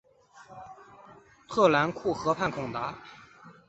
特兰库河畔孔达。